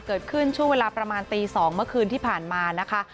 ช่วงเวลาประมาณตี๒เมื่อคืนที่ผ่านมานะคะ